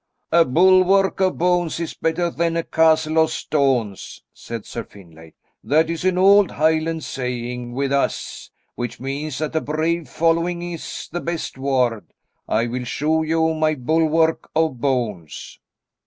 "A bulwark of bones is better than a castle of stones," said Sir Finlay. "That is an old Highland saying with us, which means that a brave following is the best ward. I will show you my bulwark of bones."